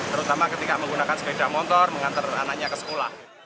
terutama ketika menggunakan sepeda motor mengantar anaknya ke sekolah